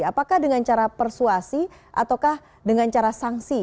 apakah dengan cara persuasi ataukah dengan cara sanksi